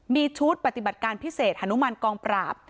มีชุดปฏิบัติการพิเศษฮานุมานกองปราบ